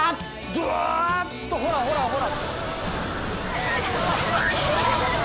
ドワッとほらほらほら。